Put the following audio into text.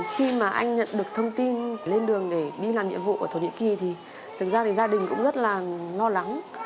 khi mà anh nhận được thông tin lên đường để đi làm nhiệm vụ ở thổ nhĩ kỳ thì thực ra thì gia đình cũng rất là lo lắng